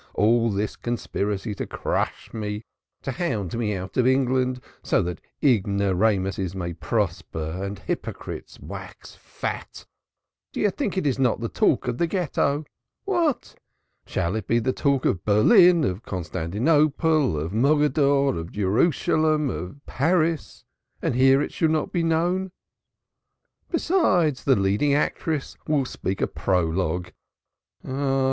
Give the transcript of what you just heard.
All this conspiracy to crush me, to hound me out of England so that ignoramuses may prosper and hypocrites wax fat do you think it is not the talk of the Ghetto? What! Shall it be the talk of Berlin, of Constantinople, of Mogadore, of Jerusalem, of Paris, and here it shall not be known? Besides, the leading actress will speak a prologue. Ah!